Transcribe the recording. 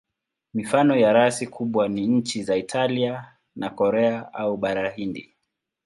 Mifano ya rasi kubwa ni nchi za Italia na Korea au Bara Hindi.